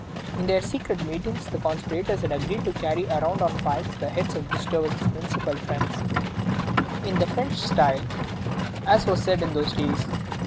In their secret meetings the conspirators had agreed to carry around on pikes the heads of Gustavus's principal friends, "in the French style," as was said in those days.